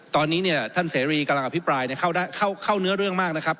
ตอนนี้เนี่ยท่านเสรีกำลังอภิปรายเข้าเนื้อเรื่องมากนะครับ